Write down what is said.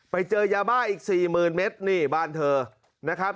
ไปเจอยาบ้าอีก๔๐๐๐เมตรนี่บ้านเธอนะครับ